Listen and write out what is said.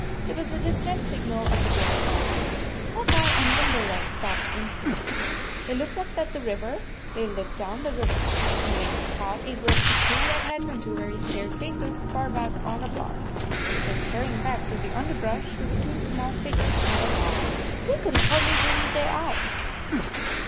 It was the distress signal of the Bear Clan. Hawk Eye and Limberleg stopped instantly. They looked up the river; they looked down the river. Then they caught a glimpse of two red heads and two very scared faces, far back on the bluff. They came tearing back through the underbrush to the two small figures on the log. They could hardly believe their eyes.